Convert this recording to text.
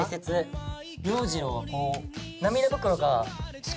洋次郎はこう。